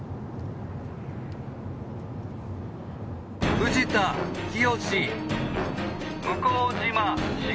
藤田清向島茂。